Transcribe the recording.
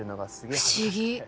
不思議